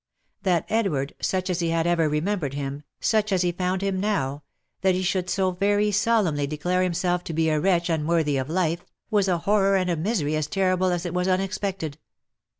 That Edward, such as he had ever remembered him, such as he found him now, that he should so very solemnly declare himself to be a wretch unworthy of life, was a horror and a misery as terrible as it was unexpected.